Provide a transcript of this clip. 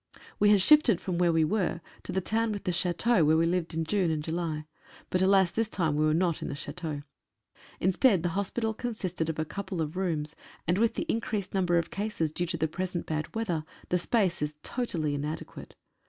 We had shifted from where we were to the town with the chateau, where we lived in June and July. But, alas, this time we were not in the chateau. Instead the hos pital consisted of a couple of rooms, and with the increased number of cases due to the present bad weather the space is totally inadequate.